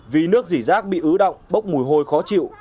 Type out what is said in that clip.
vì nước dỉ rác bị ứ động bốc mùi hôi khó chịu